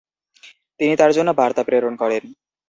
তিনি তাঁর জন্য বার্তা প্রেরণ করেন।